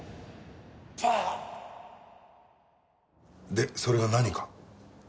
でそれが何か？